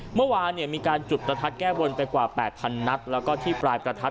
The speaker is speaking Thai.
เมื่อวานมีการจุดประทัดแก้บนไปกว่า๘๐๐นัดแล้วก็ที่ปลายประทัด